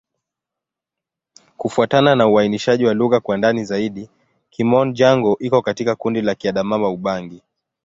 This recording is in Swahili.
Kufuatana na uainishaji wa lugha kwa ndani zaidi, Kimom-Jango iko katika kundi la Kiadamawa-Ubangi.